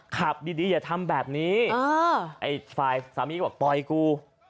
ขับดีอย่าทำแบบนี้ไอ้ฝ่ายสามีก็บอกปล่อยกู